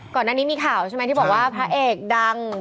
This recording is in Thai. ก่อนหน้านี้มีข่าวใช่ไหมที่บอกว่าพระเอกดัง